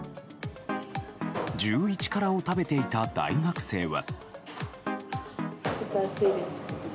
１１辛を食べていた大学生は。